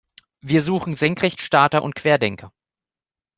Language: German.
Wir suchen Senkrechtstarter und Querdenker.